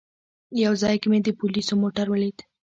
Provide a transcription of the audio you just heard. یو ځای کې مې د پولیسو موټر ولید.